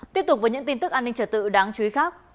tiếp tục với những tin tức an ninh trở tự đáng chú ý khác